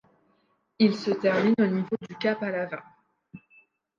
Il se termine au niveau du cap Alava.